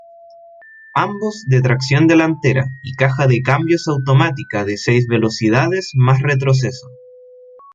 Ambos de tracción delantera y caja de cambios automática de seis velocidades más retroceso.